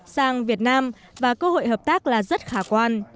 sang việt nam và cơ hội hợp tác là rất khả quan